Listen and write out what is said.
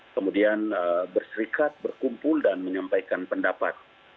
kemudian berserikat berkumpul dan menyampaikan pendapat